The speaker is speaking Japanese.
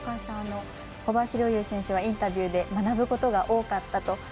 小林陵侑選手はインタビューで学ぶことが多かったと。